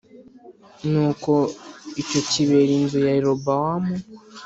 Nuko icyo kibera inzu ya Yerobowamu